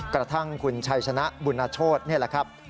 กระทั่งคุณชัยชนะบุญโชธนี่แหละครับ